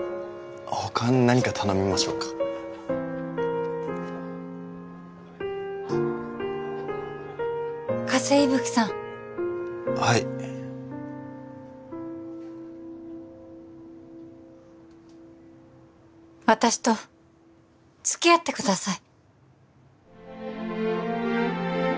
他に何か頼みましょうか加瀬息吹さんはい私とつきあってください